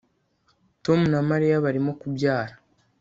Tom na Mariya barimo kubyara